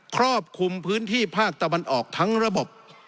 ครอบคลุมพื้นที่ภาคตะวันออกทั้งระบบ